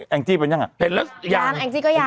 แองจี้เป็นยังอะ